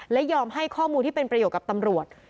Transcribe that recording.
และยอมให้ข้อมูลที่เป็นประโยชน์กับตำรวจ